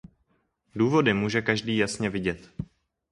Důvody může každý jasně vidět.